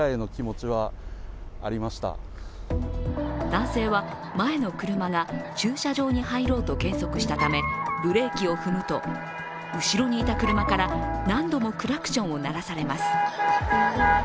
男性は前の車が駐車場に入ろうと減速したためブレーキを踏むと、後ろにいた車から何度もクラクションを鳴らされます。